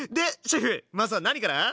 シェフまずは何から？